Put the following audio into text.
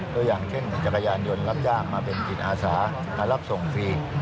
ตัวอย่างเช่นจักรยานยนต์รับจ้างมาเป็นจิตอาสามารับส่งฟรี